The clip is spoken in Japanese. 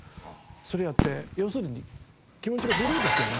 それやって要するに気持ちがブルーですよね。